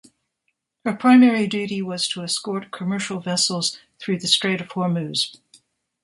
Her primary duty was to escort commercial vessels through the Strait of Hormuz.